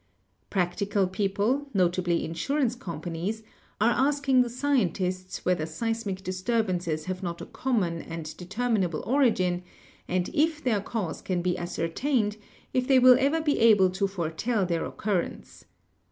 Practical people, notably insurance companies, are ask ing the scientists whether seismic disturbances have not a common and determinable origin and if their cause can be ascertained if they will ever be able to foretell their occurrence.